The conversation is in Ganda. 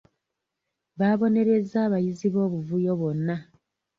Baabonerezza abayizi b'obuvuyo bonna.